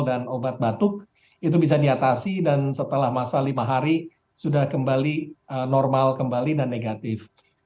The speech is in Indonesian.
dan obat batuk itu bisa diatasi dan setelah masa lima hari sudah kembali normal kembali dan negatif